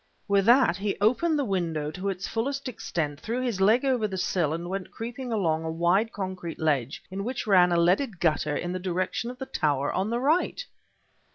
With that he opened the window to its fullest extent, threw his leg over the sill, and went creeping along a wide concrete ledge, in which ran a leaded gutter, in the direction of the tower on the right!